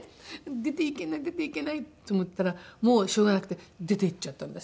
出て行けない出て行けないと思ったらもうしょうがなくて出て行っちゃったんですけどね。